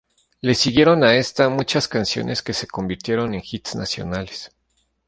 Le siguieron a esta muchas canciones que se convirtieron en hits nacionales.